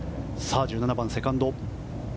１７番セカンド。